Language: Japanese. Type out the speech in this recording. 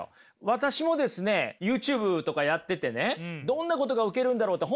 私もですねＹｏｕＴｕｂｅとかやっててねどんなことがウケるんだろうって